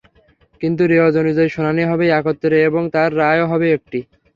কিন্তু রেওয়াজ অনুযায়ী শুনানি হবে একত্রে এবং তার রায়ও হবে একটি।